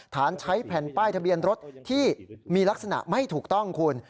ฐานใช้แผ่นป้ายทะเบียนรถที่มีลักษณะไม่ถูกต้องคุณ